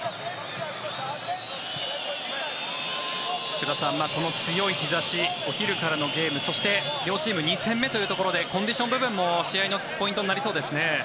福田さん、この強い日差しお昼からのゲームそして両チーム２戦目というところでコンディション部分も試合のポイントになりそうですね。